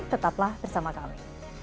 tetaplah bersama kami